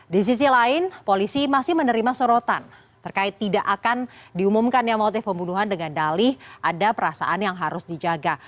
di sisi lain polisi masih menerima sorotan terkait tidak akan diumumkan yang motif pembunuhan dengan dalih ada perasaan yang harus dijaga